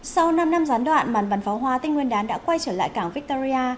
sau năm năm gián đoạn màn bắn pháo hoa tết nguyên đán đã quay trở lại cảng victoria